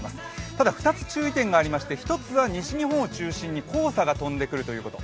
ただ、２つ注意点がありまして、一つは西日本を中心に黄砂が飛んでくるということ。